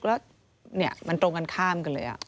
แล้วเนี่ยมันตรงกันข้ามกันเลยอ่ะ